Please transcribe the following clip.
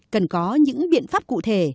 cần có những biện pháp cụ thể